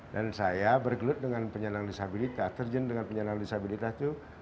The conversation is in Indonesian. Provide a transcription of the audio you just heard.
dan saya bergelut dengan penyandang disabilitas terjun dengan penyandang disabilitas itu